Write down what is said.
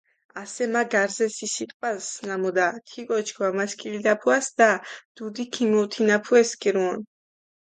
ასე მა გარზე სი სიტყვას, ნამუდა თი კოჩქ ვამასქილიდაფუასჷდა, დუდი გჷმოჸოთინაფუე სქირუონ.